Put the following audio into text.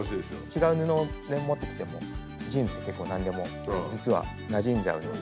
違う布を持ってきてもジーンズって結構何でも実はなじんじゃうので。